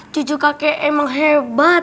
cucu kakek emang hebat